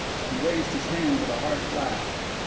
He raised his hand with a harsh laugh.